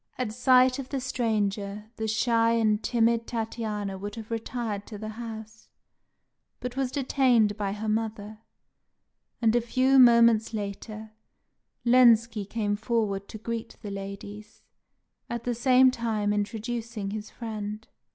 At sight of the stranger, the shy and timid Tatiana would have retired to the house, but was detained by her mother; and a few moments later, Lenski came forward to greet the ladies, at the same time introducing his friend.